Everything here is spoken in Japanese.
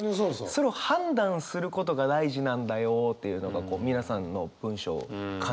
それを判断することが大事なんだよというのが皆さんの文章感じ取りましたね。